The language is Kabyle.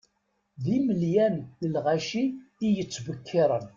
D imelyan n lɣaci i yettbekkiren.